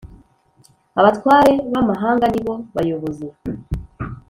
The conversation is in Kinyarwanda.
Abatware b ‘amahanga nibo bayobozi.